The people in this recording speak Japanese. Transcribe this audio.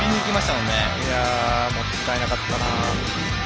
もったいなかったなあ。